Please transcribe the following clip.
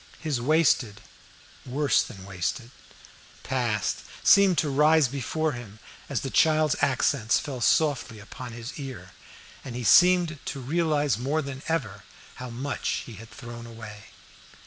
His wasted worse than wasted past seemed to rise before him, as the child's accents fell softly upon his ear, and he seemed to realize more than ever how much he had thrown away.